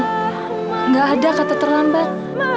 gak ada kata terlambat